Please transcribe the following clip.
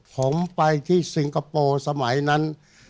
ผมไปที่สิงคโปร์สมัยนั้น